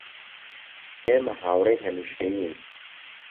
ئێمە هاوڕێی هەمیشەیین